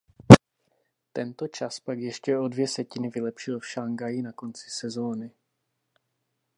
Tento čas pak ještě o dvě setiny vylepšil v Šanghaji na konci sezóny.